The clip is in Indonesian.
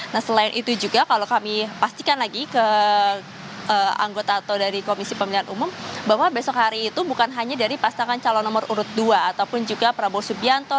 nah selain itu juga kalau kami pastikan lagi ke anggota atau dari komisi pemilihan umum bahwa besok hari itu bukan hanya dari pasangan calon nomor urut dua ataupun juga prabowo subianto